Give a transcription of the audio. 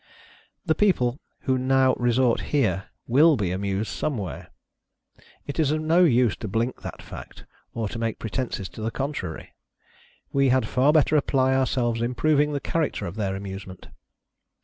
The people who now resort here will be amused somewhere. It is of no use to blink that fact, or to make pretences to the contrary. We had far better apply ourselves improving the character of their amuse ment.